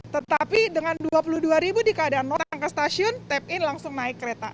tetapi dengan dua puluh dua ribu di keadaan orang ke stasiun tap in langsung naik kereta